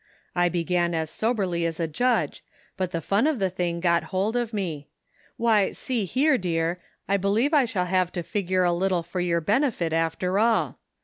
" I began as soberly as a judge, but the fun of the thing got hold of me ; why see here, dear, I believe I shall have to figure a little for your benefit, after all.